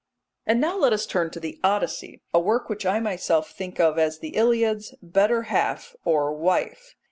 And now let us turn to the Odyssey, a work which I myself think of as the Iliad's better half or wife.